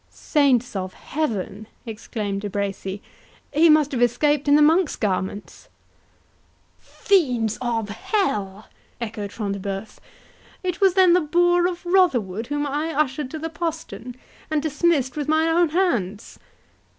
"Saints of Heaven!" exclaimed De Bracy, "he must have escaped in the monk's garments!" "Fiends of hell!" echoed Front de Bœuf, "it was then the boar of Rotherwood whom I ushered to the postern, and dismissed with my own hands!